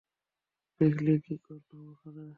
দেখলে কি করলাম ওখানে?